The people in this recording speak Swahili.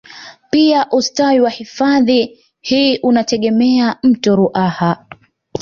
Pia ustawi wa hifadhi hii unategemea mto ruaha